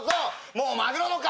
もうマグロの顔！